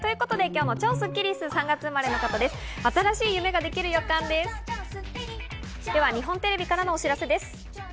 日本テレビからのお知らせです。